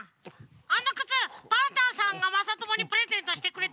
あのくつパンタンさんがまさともにプレゼントしてくれたの？